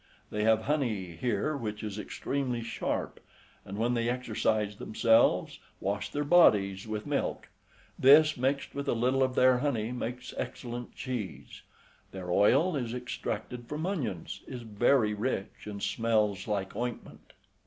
They have honey here which is extremely sharp, and when they exercise themselves, wash their bodies with milk; this, mixed with a little of their honey, makes excellent cheese. Their oil is extracted from onions, is very rich, and smells like ointment.